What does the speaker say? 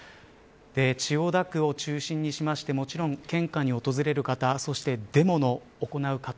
千代田区を中心にしまして献花に訪れる方そしてデモを行う方